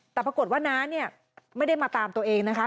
แต่ปรากฏว่าน้าเนี่ยไม่ได้มาตามตัวเองนะคะ